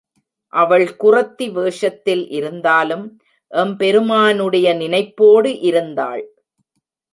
அவள் குறத்தி வேஷத்தில் இருந்தாலும் எம்பெருமானுடைய நினைப்போடு இருந்தாள்.